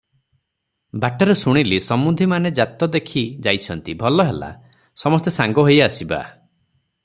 ବାଟରେ ଶୁଣିଲି ସମୁନ୍ଧିମାନେ ଯାତ ଦେଖି ଯାଇଛନ୍ତି, ଭଲ ହେଲା, ସମସ୍ତେ ସାଙ୍ଗ ହୋଇ ଆସିବା ।